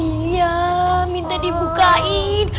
iya minta dibukain